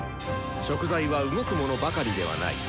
食材は動くものばかりではない。